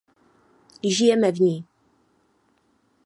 Žijeme v ní.